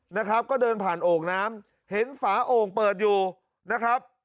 นะครับก็เดินผ่านโอ่งน้ำเห็นฝาโอ่งเปิดอยู่นะครับ